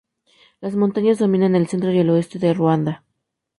Las montañas dominan el centro y el oeste de Ruanda.